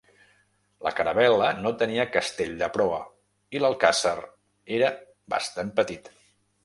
La caravel·la no tenia castell de proa, i l'alcàsser era bastant petit.